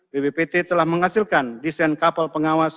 bppt telah menghasilkan desain kapal pengawas